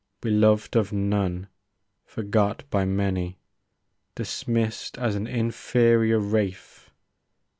Beloved of none, forgot by many. Dismissed as an inferior wraith.